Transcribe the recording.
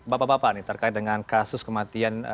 bapak bapak ini terkait dengan kasus kematian